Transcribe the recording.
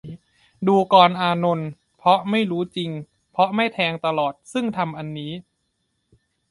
ดูกรอานนท์ เพราะไม่รู้จริง เพราะไม่แทงตลอด ซึ่งธรรมอันนี้